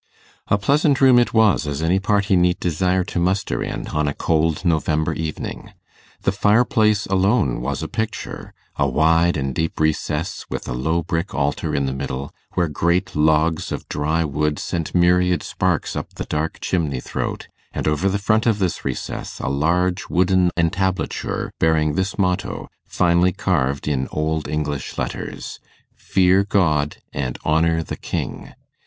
A pleasant room it was as any party need desire to muster in on a cold November evening. The fireplace alone was a picture: a wide and deep recess with a low brick altar in the middle, where great logs of dry wood sent myriad sparks up the dark chimney throat; and over the front of this recess a large wooden entablature bearing this motto, finely carved in old English letters, 'Fear God and honour the King'.